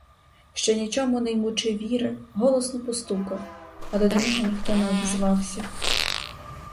Ще нічому не ймучи віри, голосно постукав, але до нього ніхто не обізвався.